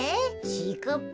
ちぃかっぱ？